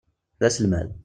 D aselmad.